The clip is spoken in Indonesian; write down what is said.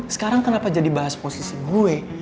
sekarang kenapa jadi bahas posisi gue